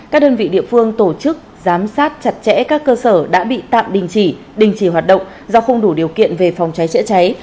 các đơn vị địa phương tổ chức giám sát chặt chẽ các cơ sở đã bị tạm đình chỉ đình chỉ hoạt động do không đủ điều kiện về phòng cháy chữa cháy